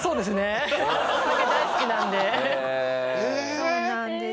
そうなんです。